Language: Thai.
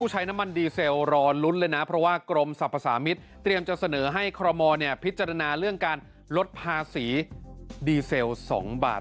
ใช้น้ำมันดีเซลรอลุ้นเลยนะเพราะว่ากรมสรรพสามิตรเตรียมจะเสนอให้คอรมอลพิจารณาเรื่องการลดภาษีดีเซล๒บาท